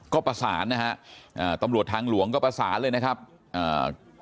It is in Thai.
ก็ประสานนะฮะอ่าตำรวจทางหลวงก็ประสานเลยนะครับอ่า